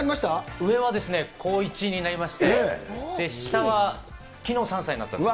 上はですね、高１になりまして、下はきのう３歳になったんです。